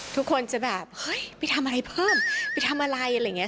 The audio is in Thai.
ทุกคนจะแบบเฮ้ยไปทำอะไรเพิ่มไปทำอะไรอะไรอย่างนี้